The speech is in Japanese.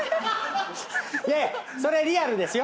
いやいやそれリアルですよ。